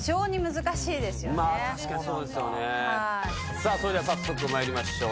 さぁそれでは早速まいりましょう。